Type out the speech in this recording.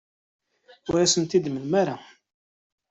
Ur asen-t-id-temlamt ara.